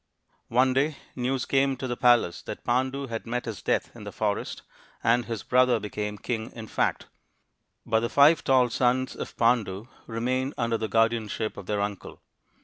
One day news came to the palace that Pandu had met his death in the forest, and his brother became king in fact ; but the five tall sons of Pandu remained 71 72 THE INDIAN STORY BOOK under the guardianship of their uncle.